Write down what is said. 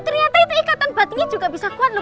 ternyata itu ikatan batinnya juga bisa kuat